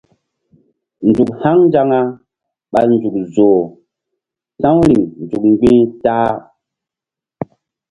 Nzuk haŋ nzaŋa ɓa nzuk zoh ta̧w riŋ nzuk mgbi̧h ta-a.